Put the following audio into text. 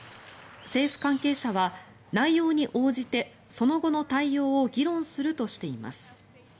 政府関係者は、内容に応じてその後の対応を議論するとしています。